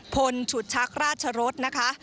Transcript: พลฉุดชักราชรสนะคะ